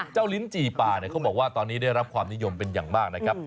ลิ้นจี่ป่าเนี่ยเขาบอกว่าตอนนี้ได้รับความนิยมเป็นอย่างมากนะครับ